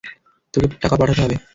তোকে টাকা পাঠাতে হবে।